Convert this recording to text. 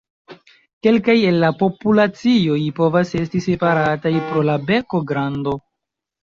Kelkaj el la populacioj povas esti separataj pro la beko grando.